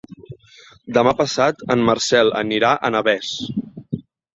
Demà passat en Marcel anirà a Navès.